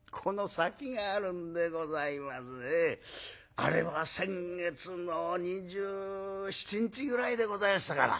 あれは先月の２７日ぐらいでございましたかな